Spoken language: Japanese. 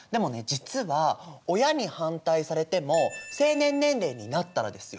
実は親に反対されても成年年齢になったらですよ